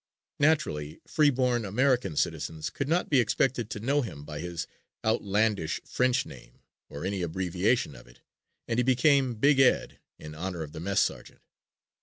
Naturally, free born American citizens could not be expected to know him by his outlandish French name or any abbreviation of it and he became Big Ed in honor of the mess sergeant.